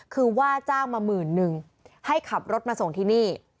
คือว่าจ้างมาหมื่นนึงให้ขับรถมาส่งที่นี่